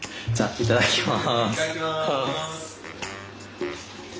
いただきます。